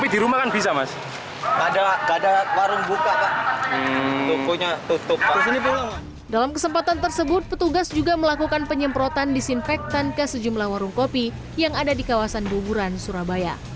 dalam kesempatan tersebut petugas juga melakukan penyemprotan disinfektan ke sejumlah warung kopi yang ada di kawasan buburan surabaya